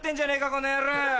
この野郎。